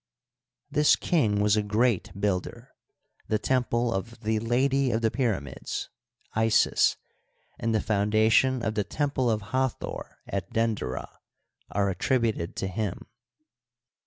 This king was a great builder, the temple of the *' Lady of the Pyramids, Isis," and the foundation of the temple of Hathor at Denderah are attributed to him.